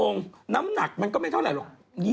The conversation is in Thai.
๒๐๐๐องค์น้ำหนักมันก็ไม่เท่าไรหรอก